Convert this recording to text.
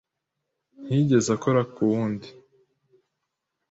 Ntiyigeze akora ku wundi